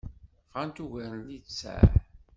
Bɣant ugar n littseɛ.